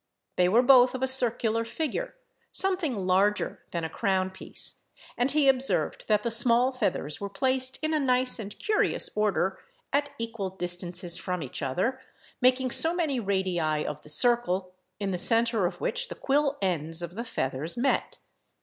They were both of a circular figure, something larger than a crown piece; and he observed that the small feathers were placed in a nice and curious order, at equal distances from each other, making so many radii of the circle, in the centre of which the quill ends of the feathers met.